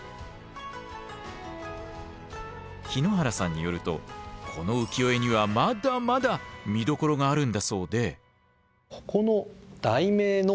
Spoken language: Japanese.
日野原さんによるとこの浮世絵にはまだまだ見どころがあるんだそうで。